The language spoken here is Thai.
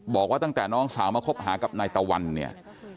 บอกว่าตั้งแต่น้องสาวมาคบหากับนายตะวันเนี่ย